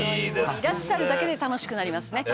いらっしゃるだけで楽しくなりますね。